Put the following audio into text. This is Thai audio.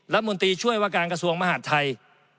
รัฐมนตรีช่วยว่าการกระทรวงมหาดไทย